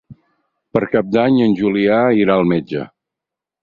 Per Cap d'Any en Julià irà al metge.